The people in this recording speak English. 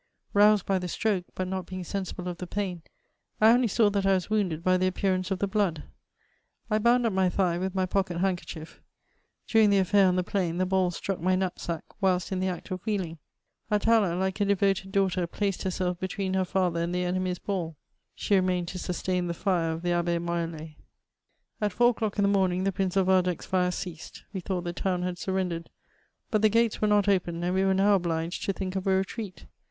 Roused by the stroke, but not being sensible of the pain, I only saw that I was wounded by the appearance of the blood. I bound up my thigh with my pocket handkerchief. During the affair on the plain, the balls struck my knapsack whilst in the act of wheeling. Atala, like a devoted daughter, placed herself between her &ther and the enemy's ball; she remained to sustain the fire of the Abbe Morellet. At four o'clock in the morning the Prince of Waldeck's fire ceased : we thought the town had surrendered ; but the gates were not opened^ and we were now obliged to think of a retreat.